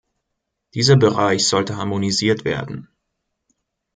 Dieser Bereich sollte harmonisiert werden.